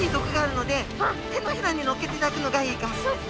手のひらにのっけていただくのがいいかもしれないです。